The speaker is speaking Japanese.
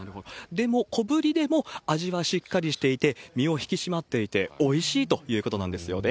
でも、小ぶりでも味はしっかりしていて、実も引き締まっていて、おいしいということなんですよね。